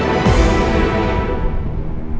lo udah ngerti kan